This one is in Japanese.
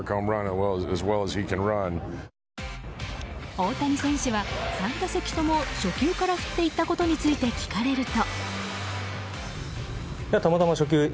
大谷選手は３打席とも初球から振っていったことについて聞かれると。